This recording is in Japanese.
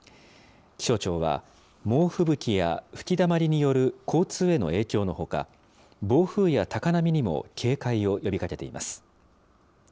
気象庁は、猛吹雪や吹きだまりによる交通への影響のほか、暴風や高波にも警戒を呼びかけています。